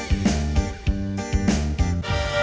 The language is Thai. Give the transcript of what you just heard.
อยากคุณลูกชิ้นนะจ๊ะ